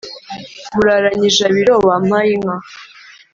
muraranye ijabiro, wampaye inka